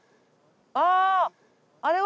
あああれは？